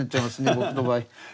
僕の場合。